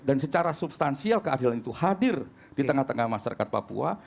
dan secara substansial keadilan itu hadir di tengah tengah masyarakat papua